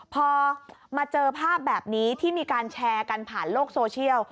พอมาเจอภาพแบบนี้ที่มีการแชร์กันผ่านโลกโซเชียล